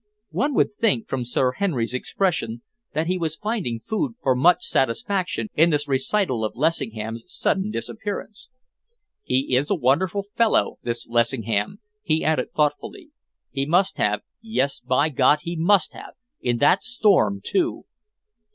One would think, from Sir Henry's expression, that he was finding food for much satisfaction in this recital of Lessingham's sudden disappearance. "He is a wonderful fellow, this Lessingham," he added thoughtfully. "He must have yes, by God, he must have In that storm, too!"